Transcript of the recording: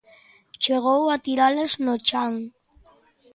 Chegou a tiralas no chan.